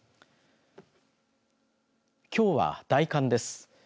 きょうは大寒です。